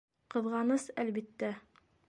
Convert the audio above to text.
Ҡыҙғаныс, әлбиттә.